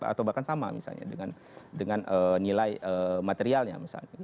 atau bahkan sama misalnya dengan nilai materialnya misalnya